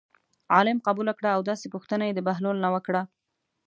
عالم قبول کړه او داسې پوښتنه یې د بهلول نه وکړه.